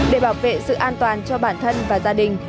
để bảo vệ sự an toàn cho bản thân và gia đình